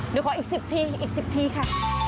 เดี๋ยวขออีก๑๐ทีอีก๑๐ทีค่ะ